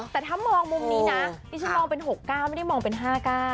แต่ถ้ามองมุมนี้นะนี่ฉันมองเป็น๖เก้าไม่ได้มองเป็น๕เก้า